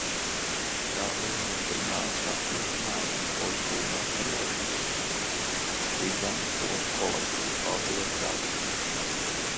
Tā uzmundrināja, sasmīdināja un pozitīvi noskaņoja visu pidžamskolas kolektīvu. Paldies, Dace!